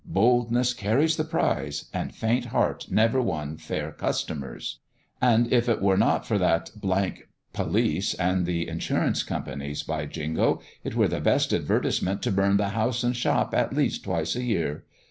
Boldness carries the prize, and faint heart never won fair customers. And if it were not for that c d police and the Insurance Companies, by Jingo! it were the best advertisement to burn the house and shop at least twice a year.